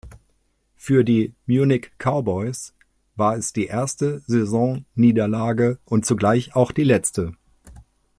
Für die Munich Cowboys war es die erste Saisonniederlage und zugleich auch die letzte.